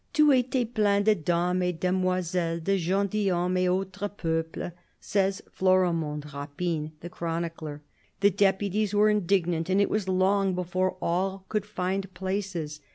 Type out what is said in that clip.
" Tout etait plein de dames et de damoiselles, de gentilshommes et autre peuple," says Florimond Rapine, the chronicler. The deputies were indignant, and it was long before all could find places.